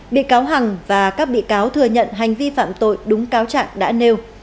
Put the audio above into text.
bị cáo hằng và các bị cáo thừa nhận hành vi phạm tội đúng cáo trạng đã nêu